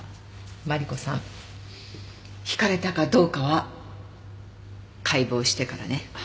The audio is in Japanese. マリコさんひかれたかどうかは解剖してからね。